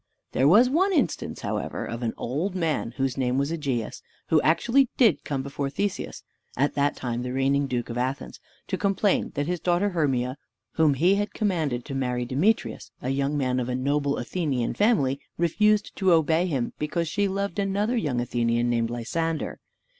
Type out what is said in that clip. There was one instance, however, of an old man, whose name was Egeus, who actually did come before Theseus (at that time the reigning duke of Athens), to complain that his daughter Hermia, whom he had commanded to marry Demetrius, a young man of a noble Athenian family, refused to obey him, because she loved another young Athenian, named Lysander.